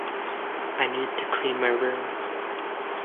I need to clean my room.